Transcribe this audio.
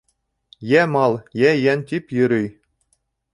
Йә мал, йә йән тип йөрөй.